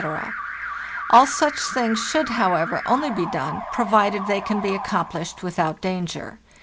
© All such things should, however, only be done, provided they can be accomplished without danger.